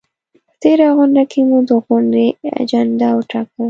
په تېره غونډه کې مو د غونډې اجنډا وټاکله؟